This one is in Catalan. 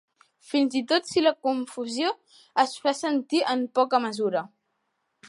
Fins i tot si la confusió es fa sentir en poca mesura.